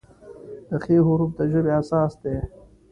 د "خ" حرف د ژبې اساس دی.